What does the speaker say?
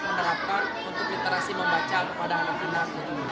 menerapkan untuk literasi membaca kepada anak anak